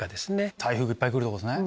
台風がいっぱいくるとこですね。